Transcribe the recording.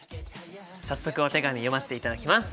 早速お手紙読ませていただきます！